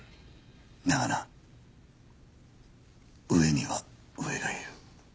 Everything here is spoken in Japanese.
だがな上には上がいる。